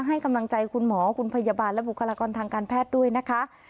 ให้กำลังใจคุณหมอคุณพยาบาลและบุคลากรทางการแพทย์ด้วยนะคะ